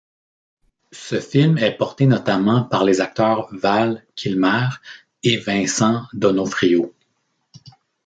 Ce film est porté notamment par les acteurs Val Kilmer et Vincent D'Onofrio.